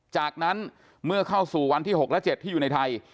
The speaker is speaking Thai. จากนั้นเมื่อเข้าสู่วันที่๖และ๗ที่อยู่ในไทย